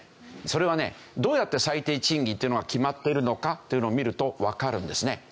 それはねどうやって最低賃金というのが決まっているのか？というのを見るとわかるんですね。